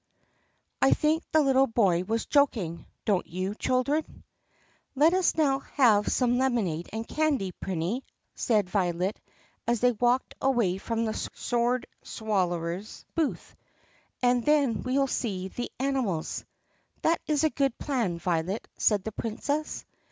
I think the little boy was joking, don't you, children 4 ? "Let us now have some lemonade and candy, Prinny," said Violet as they walked away from the sword swallower's booth, "and then we 'll see the animals." "That is a good plan, Violet," said the Princess.